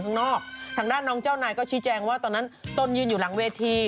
ข้างนอกทางด้านน้องเจ้านายก็ชี้แจงว่าตอนนั้นตนยืนอยู่หลังเวที